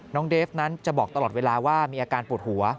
เดฟนั้นจะบอกตลอดเวลาว่ามีอาการปวดหัว